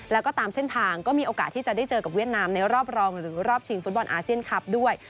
แล้วก็ตามเส้นทางก็มีโอกาสที่จะได้เจอกับเวียดนามในรอบรองหรือรอบชิงฟุตบอลอาเซียนคลับด้วย